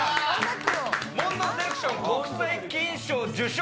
モンドセレクション国際金賞受賞。